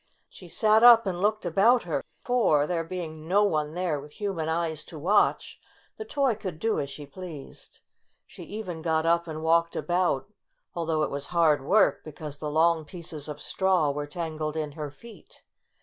She sat up and looked about her, for, there being no one there with human eyes to watch, the toy could do as she pleased. She even got up and walked about, though it was hard work because the long pieces of straw were tangled in her feet.